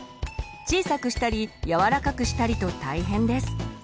小さくしたり柔らかくしたりと大変です。